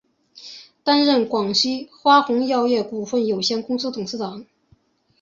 担任广西花红药业股份有限公司董事长。